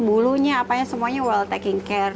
bulunya apanya semuanya well taking care